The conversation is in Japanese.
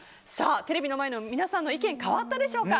テレビの前の皆さんの意見は変わったでしょうか。